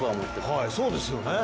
はいそうですよね。